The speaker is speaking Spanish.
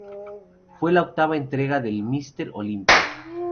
Fue la octava entrega del Mister Olympia.